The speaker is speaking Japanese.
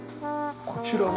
こちらは？